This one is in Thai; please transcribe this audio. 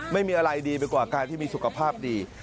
ไม่มีอะไรดีไปกว่าการที่มีสุขภาพดี